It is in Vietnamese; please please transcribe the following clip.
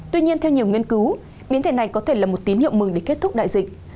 tuy nhiên theo nhiều nghiên cứu biến thể này có thể là một tín hiệu mừng để kết thúc đại dịch